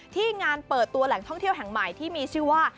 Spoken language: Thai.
ที่งานเปิดตัวแหล่งท่องเที่ยวแห่งใหม่ที่มีชื่อว่า